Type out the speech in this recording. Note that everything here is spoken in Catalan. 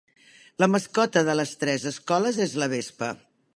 La mascota de les tres escoles és la vespa.